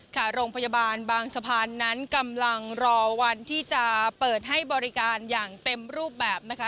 ค่ะโรงพยาบาลบางสะพานนั้นกำลังรอวันที่จะเปิดให้บริการอย่างเต็มรูปแบบนะคะ